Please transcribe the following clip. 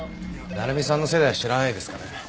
七波さんの世代は知らないですかね。